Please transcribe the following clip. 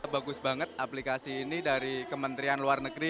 bagus banget aplikasi ini dari kementerian luar negeri